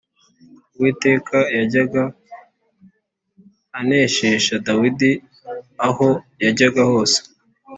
Uwiteka yajyaga aneshesha Dawidi aho yajyaga hose.